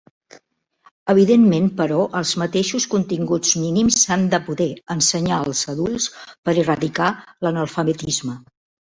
Evidentment, però, els mateixos continguts mínims s'han de poder ensenyar als adults per erradicar l'analfabetisme.